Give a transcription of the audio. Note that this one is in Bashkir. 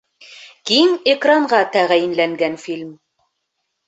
Киң экранға тәғәйенләнгән фильм